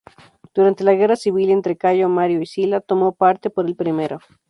Durante la guerra civil entre Cayo Mario y Sila, tomó parte por el primero.